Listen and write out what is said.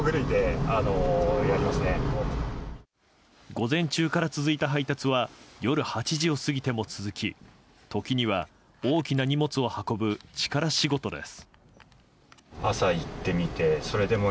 午前中から続いた配達は夜８時を過ぎても続き時には大きな荷物を運ぶ力仕事です。